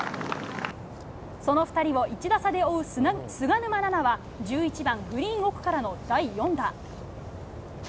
その２人を１打差で追う菅沼菜々は、１１番グリーン奥からの第４打。